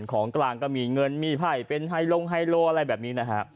ของกลางก็มีเงินมีไผ่เป็นไฮลงไฮโลอะไรแบบนี้นะฮะ